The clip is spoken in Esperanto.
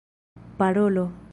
parolo